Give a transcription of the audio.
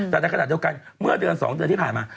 แต่ในขณะเดียวกันเมื่อเดือน๒เดือนที่ผ่านมา